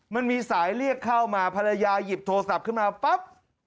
มันมีสายเรียกเข้ามาภรรยาหยิบโทรศัพท์ขึ้นมาปั๊บ